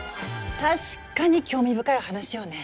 確かに興味深い話よね。